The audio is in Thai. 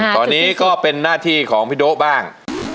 ตอนนี้ก็เป็นหน้าที่ของพี่โด๊ะบ้าง